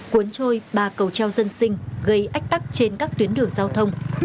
cuốn trôi ba cầu treo dân sinh gây ách tắc trên các tuyến đường giao thông